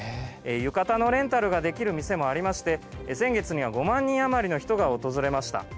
浴衣のレンタルができる店もありまして先月には５万人余りの人が訪れました。